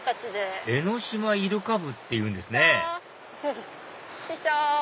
江ノ島イルカ部っていうんですね師匠！